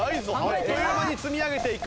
あっという間に積み上げていく。